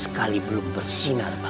sekali belum bersinar banyak